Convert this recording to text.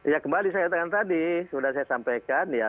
ya kembali saya katakan tadi sudah saya sampaikan ya